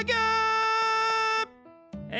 え